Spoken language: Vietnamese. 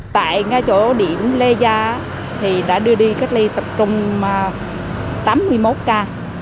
tại ngay chỗ điểm le gia thì đã đưa đi cách ly tập trung tám mươi một ca